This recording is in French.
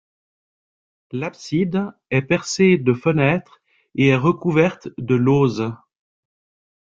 L'abside est percée de fenêtres et est recouverte de lauzes.